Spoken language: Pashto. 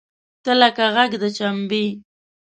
تۀ لکه غږ د چمبې !